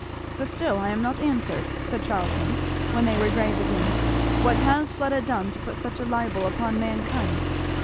"But still I am not answered," said Charlton when they were grave again. "What has Fleda done to put such a libel upon mankind?"